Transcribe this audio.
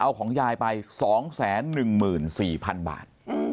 เอาของยายไป๒๑๔๐๐๐บาท